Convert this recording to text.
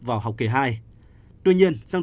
vào học kỳ hai tuy nhiên trong